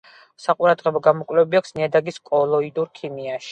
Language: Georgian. საყურადღებო გამოკვლევები აქვს ნიადაგის კოლოიდურ ქიმიაში.